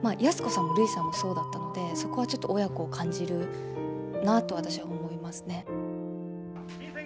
安子さんもるいさんもそうだったのでそこはちょっと親子を感じるなと私は思いますね。